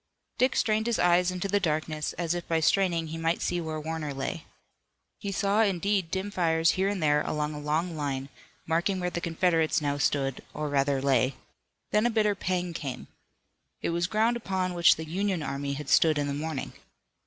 Dick strained his eyes into the darkness, as if by straining he might see where Warner lay. He saw, indeed, dim fires here and there along a long line, marking where the Confederates now stood, or rather lay. Then a bitter pang came. It was ground upon which the Union army had stood in the morning.